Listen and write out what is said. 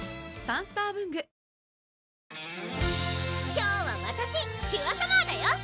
今日はわたしキュアサマーだよ！